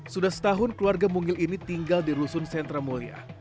sudah setahun keluarga mungil ini tinggal di rusun sentra mulia